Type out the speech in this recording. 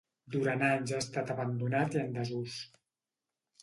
Durant anys ha estat abandonat i en desús.